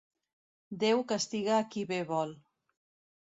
Déu castiga a qui bé vol.